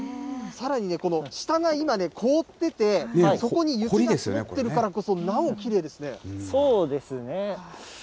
さらにね、この下が今ね、凍ってて、そこに雪が積もってるかそうですね。